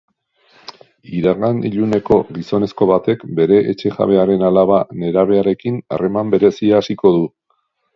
Iragan iluneko gizonezko batek bere etxe-jabearen alaba nerabearekin harreman berezia hasiko du.